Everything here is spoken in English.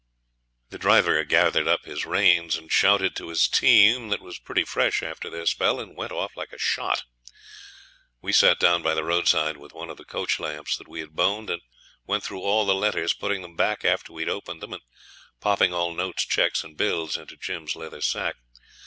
The driver gathered up his reins and shouted to his team, that was pretty fresh after their spell, and went off like a shot. We sat down by the roadside with one of the coach lamps that we had boned and went through all the letters, putting them back after we'd opened them, and popping all notes, cheques, and bills into Jim's leather sack.